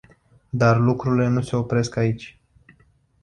Dar lucrurile nu se opresc aici.